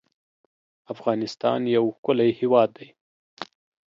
افغانستان يو ښکلی هېواد دی